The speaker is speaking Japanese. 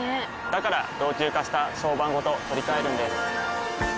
から老朽化した床版ごと取り替えるんです。